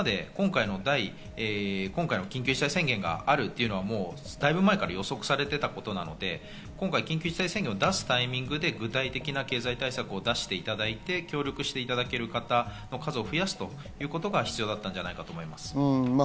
今回の緊急事態宣言があるというのはだいぶ前から予測されていたことなので、今回、緊急事態宣言を出すタイミングで具体的な経済対策を出していただいて協力していただける方の数を増やすということが必要だったんじゃないかと思います。